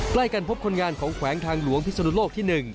ใกล้กันพบคนงานของแขวงทางหลวงพิศนุโลกที่๑